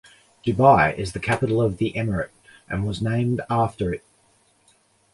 Dubai is the capital of the emirate and was named after it.